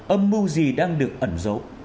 âm mưu gì đang được ẩn dấu